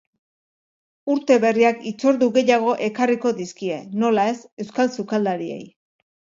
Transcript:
Urte berriak hitzordu gehiago ekarriko dizkie, nola ez, euskal sukaldariei.